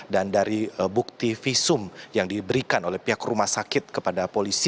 dan dari bukti visum yang diberikan oleh pihak rumah sakit kepada polisi